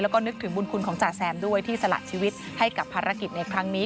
แล้วก็นึกถึงบุญคุณของจ่าแซมด้วยที่สละชีวิตให้กับภารกิจในครั้งนี้